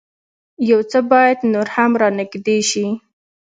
يو څه بايد نور هم را نېږدې شي.